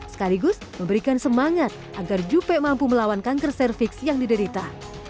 sekaligus memberikan semangat agar jupe mampu melawan kanker cervix yang diderita